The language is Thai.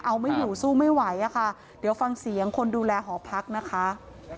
เอาไม่อยู่สู้ไม่ไหวอะค่ะเดี๋ยวฟังเสียงคนดูแลหอพักนะคะ